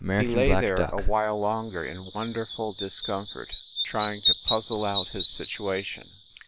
He lay there a while longer in wonderful discom fort, trying to puzzle out his situation.